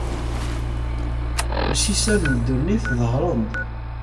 Lsisan n ddunit ḍehren-d.